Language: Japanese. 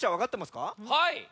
はい！